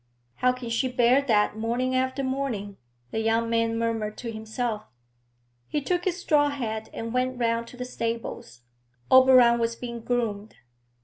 'How can she bear that morning after morning?' the young man murmured to himself. He took his straw hat and went round to the stables. Oberon was being groomed.